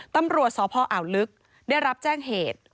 ตำรวจสพอ่าวลึกได้รับแจ้งเหตุ